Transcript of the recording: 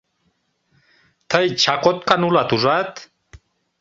— Тый чакоткан улат, ужат?